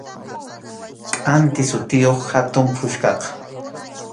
Kʼanti sutiyuq hatun puchkaqa.